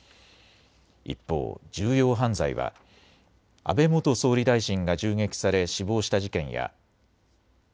一方、重要犯罪は安倍元総理大臣が銃撃され死亡した事件や。